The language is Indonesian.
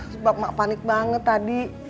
sebab mak panik banget tadi